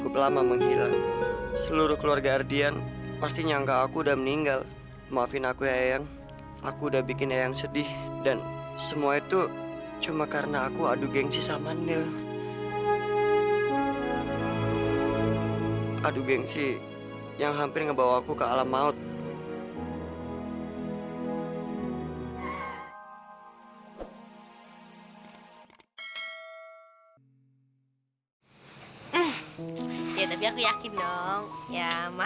sampai jumpa di video selanjutnya